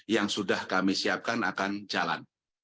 yang sudah kami siapkan akan jalan